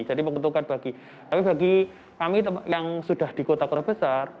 jadi menguntukkan bagi tapi bagi kami yang sudah di kota kota besar